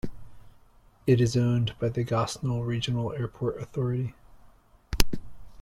It is owned by the Gosnell Regional Airport Authority.